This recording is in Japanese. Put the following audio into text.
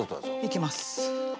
いきます。